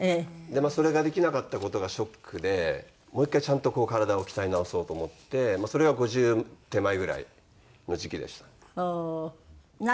でまあそれができなかった事がショックでもう１回ちゃんとこう体を鍛え直そうと思ってまあそれが５０手前ぐらいの時期でしたね。